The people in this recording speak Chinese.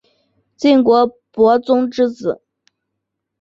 晋国伯宗之子。